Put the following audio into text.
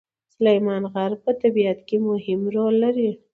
سلیمان غر په طبیعت کې مهم رول لري.